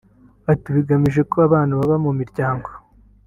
Ati “Bigamije ko abana baba mu miryango